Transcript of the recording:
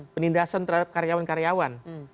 penindasan terhadap karyawan karyawan